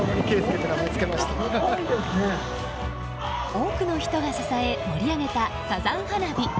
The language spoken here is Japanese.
多くの人が支え盛り上げたサザン花火。